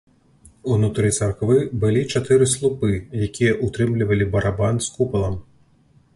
Унутры царквы былі чатыры слупы, якія ўтрымлівалі барабан з купалам.